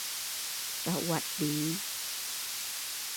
ร่างกาย